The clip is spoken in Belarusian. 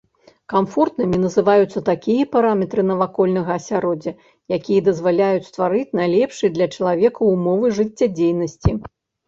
Камфортнымі называюцца такія параметры навакольнага асяроддзя, якія дазваляюць стварыць найлепшыя для чалавека ўмовы жыццядзейнасці.